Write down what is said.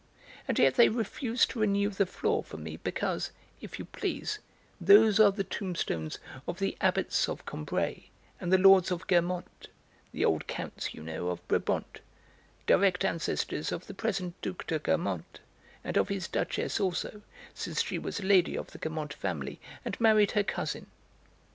And yet they refuse to renew the floor for me because, if you please, those are the tombstones of the Abbots of Combray and the Lords of Guermantes, the old Counts, you know, of Brabant, direct ancestors of the present Duc de Guermantes, and of his Duchesse also, since she was a lady of the Guermantes family, and married her cousin."